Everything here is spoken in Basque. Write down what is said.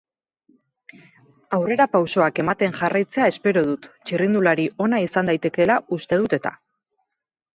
Aurrerapausoak ematen jarraitzea espero dut, txirrindulari ona izan daitekeela uste dut eta.